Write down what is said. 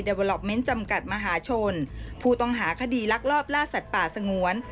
เวอลอปเมนต์จำกัดมหาชนผู้ต้องหาคดีลักลอบล่าสัตว์ป่าสงวน